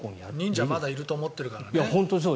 忍者がまだいると外国人は思ってるからね。